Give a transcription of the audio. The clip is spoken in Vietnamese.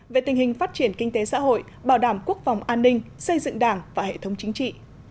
về tình hình phát triển kinh tế xã hội bảo đảm quốc phòng an ninh xây dựng đảng và hệ thống chính trị